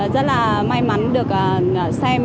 rất là may mắn được xem